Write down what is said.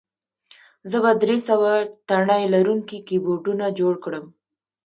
زه به درې سوه تڼۍ لرونکي کیبورډونه جوړ کړم